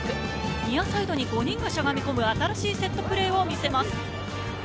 ニアサイドに５人がしゃがみ込む新しいセットプレーを見せます。